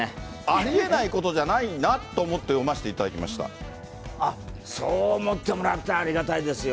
ありえないことじゃないなとあっ、そう思ってもらってありがたいですよ。